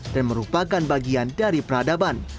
merupakan bagian dari peradaban